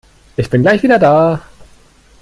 Ich bin gleich wieder da.